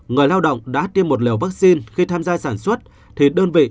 người lao động đã tiêm một liều vaccine khi tham gia sản xuất thì đơn vị